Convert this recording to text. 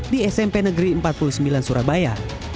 di smp negeri empat puluh sembilan surabaya